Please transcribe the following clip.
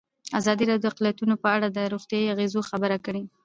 ازادي راډیو د اقلیتونه په اړه د روغتیایي اغېزو خبره کړې.